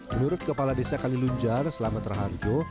menurut kepala desa kalilunjar selamat raharjo